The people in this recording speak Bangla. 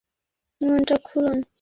আপনার আবদ্ধ মনটা খুলুন।